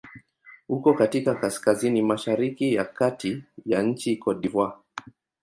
Uko katika kaskazini-mashariki ya kati ya nchi Cote d'Ivoire.